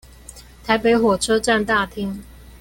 台北火車站大廳